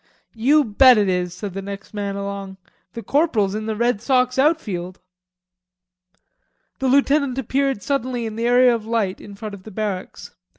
"You bet it is," said the next man along. "The corporal's in the Red Sox outfield." The lieutenant appeared suddenly in the area of light in front of the barracks.